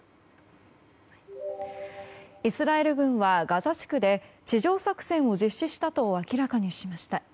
イスラエル軍はガザ地区で地上作戦を実施したと明らかにしました。